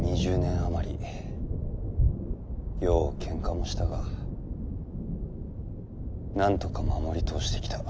りようけんかもしたがなんとか守り通してきた。